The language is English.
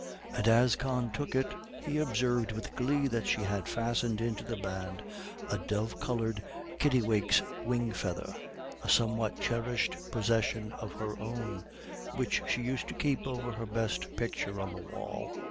And as Con took it, he observed with glee that she had fastened into the band a dove coloured kittiwake's wing feather, a somewhat cherished possession of her own, which she used to keep over her best picture on the wall.